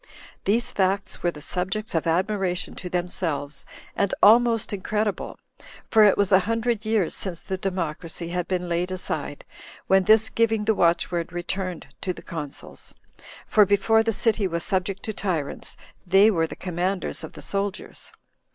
These facts were the subjects of admiration to themselves, and almost incredible; for it was a hundred years since the democracy had been laid aside, when this giving the watchword returned to the consuls; for before the city was subject to tyrants, they were the commanders of the soldiers.